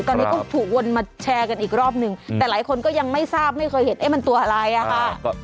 ตอนนี้ก็ถูกวนมาแชร์กันอีกรอบหนึ่งแต่หลายคนก็ยังไม่ทราบไม่เคยเห็นเอ๊ะมันตัวอะไรอะค่ะ